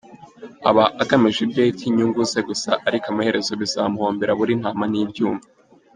Aba agamije ibyo yita inyugu ze gusa, ariko amaherezo bizamuhombera abure intama n’ibyuma.